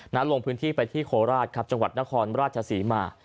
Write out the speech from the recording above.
นั้นลงพื้นที่ไปที่โคลราชจังหวัดนครราชสีมา